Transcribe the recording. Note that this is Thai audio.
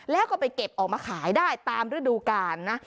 แล้วก็ไปเก็บออกมาขายได้ตามฤดูกาลนะ